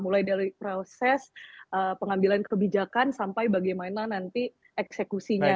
mulai dari proses pengambilan kebijakan sampai bagaimana nanti eksekusinya